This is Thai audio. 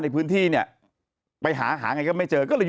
เผื่อเกิดไปร้านอาหาร